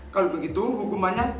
kalau begitu hukumannya